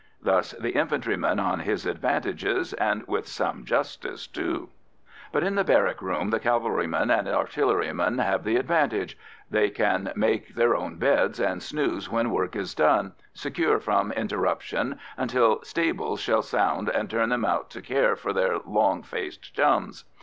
Thus the infantryman on his advantages, and with some justice, too. But in the barrack room the cavalryman and artilleryman have the advantage. They can make down their beds and snooze when work is done, secure from interruption until "stables" shall sound and turn them out to care for their "long faced chums."